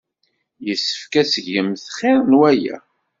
Yessefk ad tgemt xir n waya.